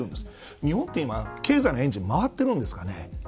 日本は今、経済のエンジン回ってるんですかね。